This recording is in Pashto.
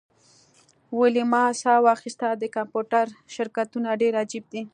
ویلما ساه واخیسته د کمپیوټر شرکتونه ډیر عجیب دي